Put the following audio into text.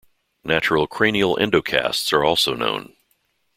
Natural cranial endocasts are also known.